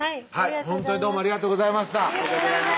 ほんとにどうもありがとうございました